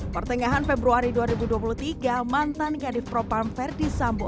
pertengahan februari dua ribu dua puluh tiga mantan kadif propam verdi sambo